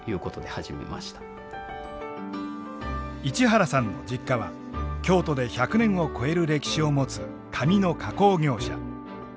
市原さんの実家は京都で１００年を超える歴史を持つ紙の加工業者。